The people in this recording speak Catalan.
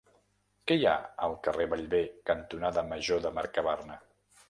Què hi ha al carrer Bellver cantonada Major de Mercabarna?